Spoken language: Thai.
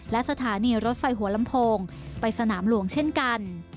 และสถานีรถไฟหัวลำโพงไปสนามหลวงเช่นกัน